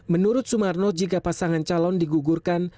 menurut sumarno jika pasangan calon digugurkan